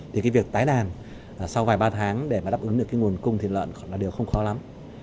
thì cái việc tái đàn sau vài ba tháng để mà đáp ứng được cái nguồn cung thịt lợn là điều không khó lắm